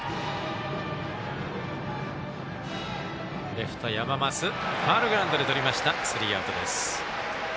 レフト、山増ファウルグラウンドでとりました、スリーアウトです。